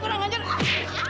kurang ajar kak